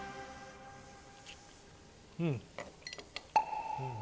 うん。